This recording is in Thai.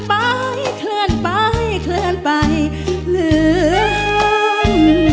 พอสอเคลื่อนไปคือฮาม